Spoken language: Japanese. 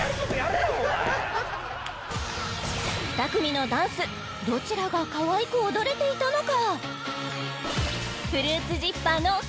２組のダンスどちらがかわいく踊れていたのか？